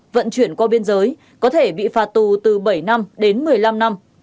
vận chuyển qua biên giới có thể bị phạt tù từ bảy năm đến một mươi năm năm